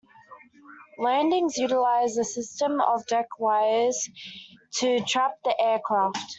Landings utilised a system of deck wires to "trap" the aircraft.